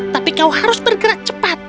tapi kau harus bergerak cepat